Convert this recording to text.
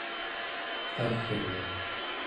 qagna